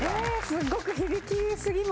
すごく。